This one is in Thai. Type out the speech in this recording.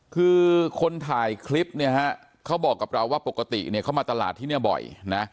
คือคนถ่ายคลิปเนี่ยฮะเขาบอกกับเราว่าปกติเนี่ยเขามาตลาดที่นี่บ่อยนะ